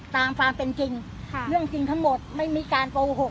ตามความเป็นจริงเรื่องจริงทั้งหมดไม่มีการโกหก